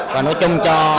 và nói chung cho